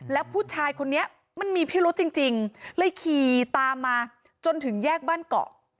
แล้วผู้ชายคนนี้มันมีพิรุษจริงเลยขี่ตามมาจนถึงแยกบ้านเกาะ